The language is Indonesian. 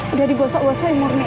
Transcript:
udah di gosok gosok ya murni